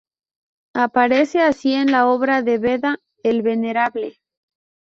Aparece así en la obra de Beda el Venerable.